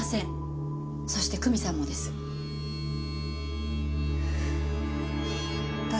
そして久美さんもです。えっ？